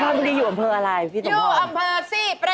สุภัณฑ์บุรีอยู่อำเภออะไรพี่สมพร